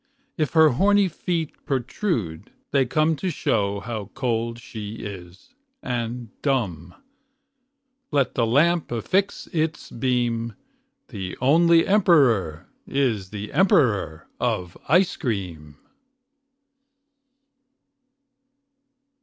If her horny feet protrude, they come To show how cold she is, and dumb. Let the lamp affix its beam. The only emperor is the emperor of ice cream.